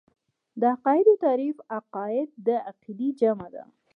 د عقايدو تعريف عقايد د عقيدې جمع ده .